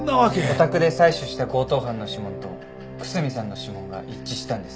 お宅で採取した強盗犯の指紋と楠見さんの指紋が一致したんです。